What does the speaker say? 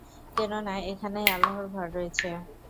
কেননা, এখানেই আল্লাহর ঘর রয়েছে।